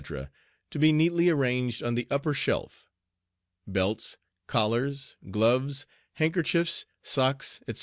to be neatly arranged on the upper shelf. BELTS, COLLARS, GLOVES, HANDKERCHIEFS, SOCKS, etc.